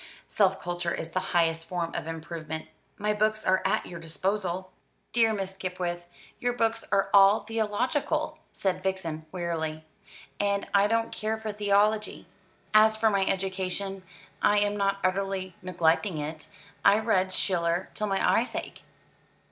Self culture is the highest form of improvement. My books are at your disposal." "Dear Miss Skipwith, your books are all theological," said Vixen wearily, "and I don't care for theology. As for my education, I am not utterly neglecting it. I read Schiller till my eyes ache."